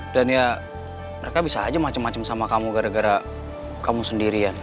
dan ya mereka bisa aja macem macem sama kamu gara gara kamu sendirian